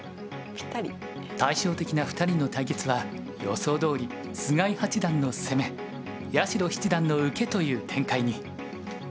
対照的な２人の対決は予想どおり菅井八段の攻め八代七段の受けという展開に。